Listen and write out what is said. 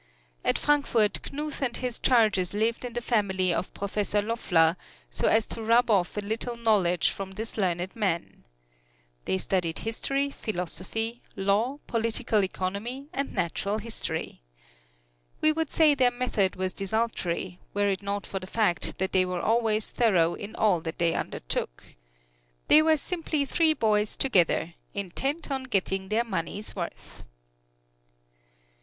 At Frankfort, Knuth and his charges lived in the family of Professor Loffler, "so as to rub off a little knowledge from this learned man." They studied history, philosophy, law, political economy and natural history. We would say their method was desultory, were it not for the fact that they were always thorough in all that they undertook. They were simply three boys together, intent on getting their money's worth.